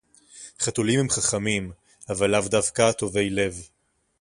חתולים הם חכמים, אבל לאו דווקא טובי לב.